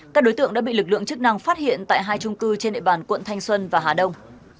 các đối tượng đã bị lực lượng chức năng phát hiện tại hai trung cư trên địa bàn quận thanh xuân và hà đông